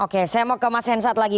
oke saya mau ke mas hensat lagi